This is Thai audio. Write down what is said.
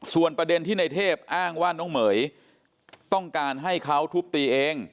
ส่วนประเด็นที่ในเทพอ้างว่าน้องเหม๋ยต้องการให้เขาทุบตีเอง